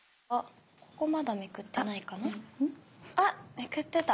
めくってた。